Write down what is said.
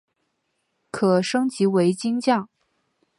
可升级为金将。